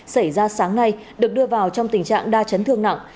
xảy ra sáng nay được đưa vào trong tình trạng đa chấn thương nặng